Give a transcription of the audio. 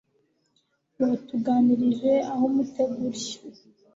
Watuganishije aho umutego uri